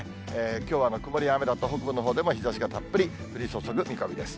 きょうは曇りや雨だった北部のほうでも日ざしがたっぷり降り注ぐ見込みです。